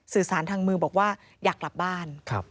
สื่อสารทางมือบอกว่าอยากกลับบ้าน